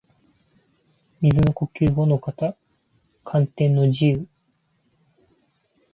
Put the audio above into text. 水の呼吸伍ノ型干天の慈雨（ごのかたかんてんのじう）